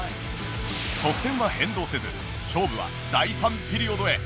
得点は変動せず勝負は第３ピリオドへ